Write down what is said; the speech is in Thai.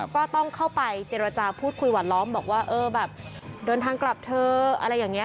ก็ต้องเข้าไปเจรจาพูดคุยหวัดล้อมบอกว่าเออแบบเดินทางกลับเธออะไรอย่างนี้